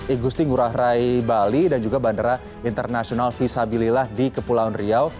igusti ngurah rai bali dan juga bandara internasional visabilillah di kepulauan riau